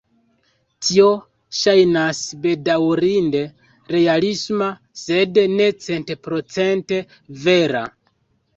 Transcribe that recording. Tio ŝajnas bedaŭrinde realisma, sed ne centprocente vera.